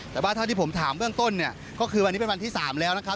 แต่ว่าเท่าที่ผมถามเบื้องต้นเนี่ยก็คือวันนี้เป็นวันที่๓แล้วนะครับ